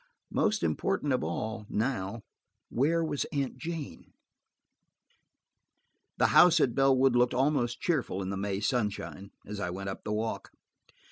Most important of all now–where was Aunt Jane? The house at Bellwood looked almost cheerful in the May sunshine, as I went up the walk.